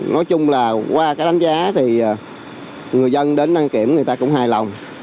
nói chung là qua đánh giá người dân đến đăng kiểm cũng hài lòng